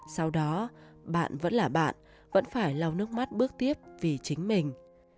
sau đó bạn vẫn là bạn vẫn phải lau nước mắt bước tiếp vì chính mình